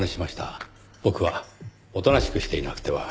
僕はおとなしくしていなくては。